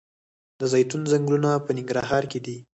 د زیتون ځنګلونه په ننګرهار کې دي؟